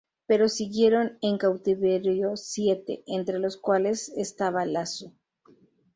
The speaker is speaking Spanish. Pero siguieron en cautiverio siete, entre los cuales estaba Lasso.